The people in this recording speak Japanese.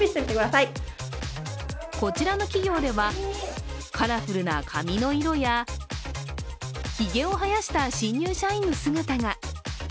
こちらの企業ではカラフルな髪の色やひげを生やした新入社員の姿が。